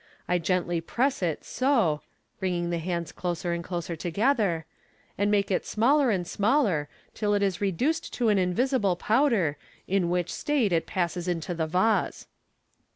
I g. ntly press it, so" (bringing the hands closer and closer together) "and make it smaller and smaller, till it is reduced to an invisible powder, in which state it passes into the vase."